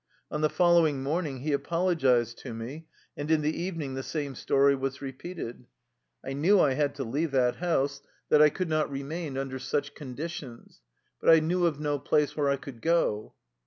On the following morning he apologized to me, and in the evening the same story was repeated. I knew I had to leave that house, that I could not 219 THE LIFE STOKY OF A KUSSIAN EXILE remain under such conditions ; but I knew of no place where I could go.